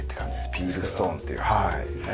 ビールストーンっていうはい。